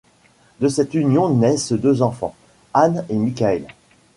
De cette union naissent deux enfants, Anne et Michael.